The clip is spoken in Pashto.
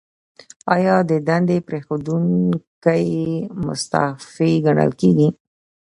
ایا د دندې پریښودونکی مستعفي ګڼل کیږي؟